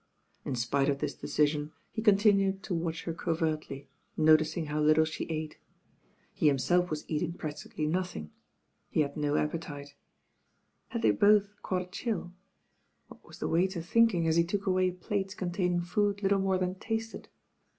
In spite of this decision, he continued tj //atch her covertly, noticing how little she ate. tie himself ^ 'as eating practically nothing; he had i o appetite. Had they both caught a chill? What wus the waiter think ing as he took away plates containing food little more than tasted?